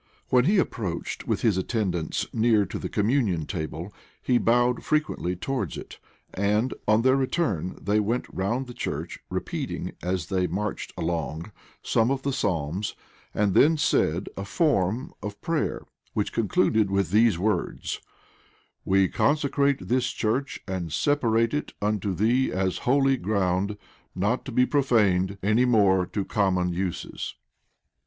When he approached, with his attendants, near to the communion table, he bowed frequently towards it; and on their return, they went round the church, repeating, as they marched along, some of the psalms; and then said a form of prayer, which concluded with these words: "We consecrate this church, and separate it unto thee as holy ground, not to be profaned any more to common uses."